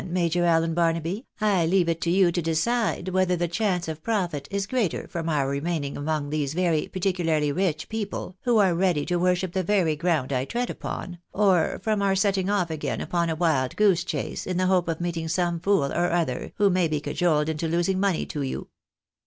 Major Allen Barnaby, I leave it to you to decide whether the chance of profit is greater from our remaining among these very particularly rich people, who are ready to worship the very ground I tread upon, or from our setting off again upon a wild goose chase in the hope of meeting some fool or other who may be cajoled into losing money to you."